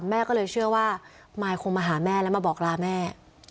แม่ก็เลยเชื่อว่ามายคงมาหาแม่แล้วมาบอกลาแม่